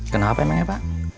kenapa emang ya pak